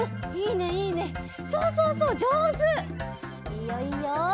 いいよいいよ！